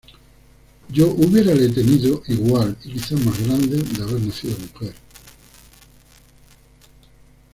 yo hubiérale tenido igual, y quizá más grande, de haber nacido mujer: